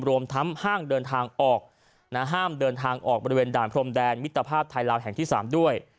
รวมทั้งห้างเดินทางออกห้ามเดินทางออกบริเวณด่านพรมแดนมิตรภาพไทยลาวแห่งที่๓ด้วย